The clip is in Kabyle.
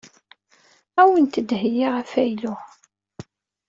Ad awent-d-heyyiɣ afaylu.